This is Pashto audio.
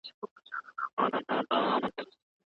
خو شیطان یې دی په زړه کي ځای نیولی